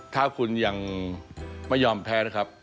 ถ้าคุณยังไม่ยอมแพ้นะครับ